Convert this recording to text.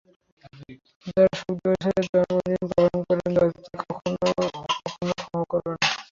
যারা শোক দিবসে জন্মদিন পালন করে, জাতি তাদের কখনো ক্ষমা করবে না।